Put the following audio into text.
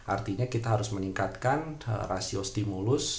artinya kita harus meningkatkan rasio stimulus